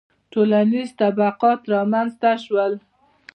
• ټولنیز طبقات رامنځته شول.